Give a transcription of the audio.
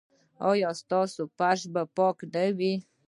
ایا ستاسو فرش به پاک نه وي؟